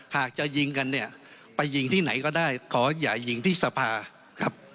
หากจะยิงกันเนี่ยไปยิงที่ไหนก็ได้ขออย่ายิงที่สภาครับ